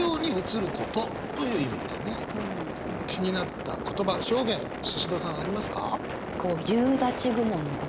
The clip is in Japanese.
気になった言葉表現シシドさんありますか？